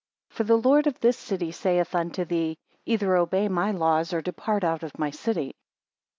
For the Lord of this city saith unto thee; Either obey my laws, or depart out of my city.